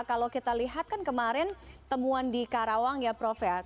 kalau kita lihat kan kemarin temuan di karawang ya prof ya